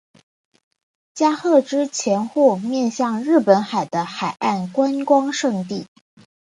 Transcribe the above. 加贺之潜户面向日本海的海岸观光胜地。